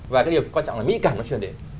và điều quan trọng là mỹ cảm nó truyền đến